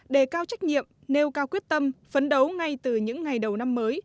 đề cao trách nhiệm nêu cao quyết tâm phấn đấu ngay từ những ngày đầu năm mới